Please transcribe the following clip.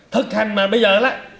thực hành mà bây giờ là